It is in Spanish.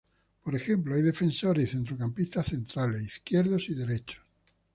Por ejemplo, hay defensores y centrocampistas centrales, izquierdos y derechos.